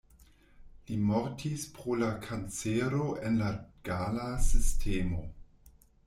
Li mortis pro la kancero en la gala sistemo.